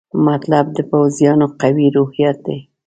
مطلب د پوځیانو قوي روحیات دي.